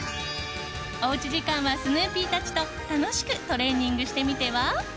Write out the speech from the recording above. おうち時間はスヌーピーたちと楽しくトレーニングしてみては？